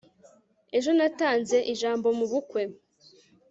ejo natanze ijambo mubukwe